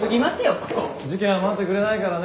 事件は待ってくれないからね。